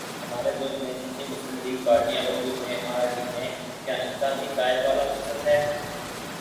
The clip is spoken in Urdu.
ہمارے ملک میں جتنی مسلم لیگ پارٹیاں وجود میں آرہی ہیں کیا انکا بھی قائد والا مقصد ہے